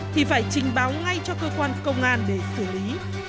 thì phải trình báo ngay cho cơ quan công an để xử lý